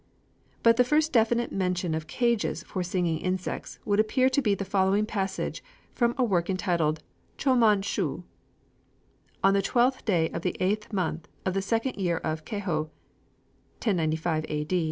But the first definite mention of cages for singing insects would appear to be the following passage from a work entitled Chomon Shū: "On the twelfth day of the eighth month of the second year of Kaho [1095 A.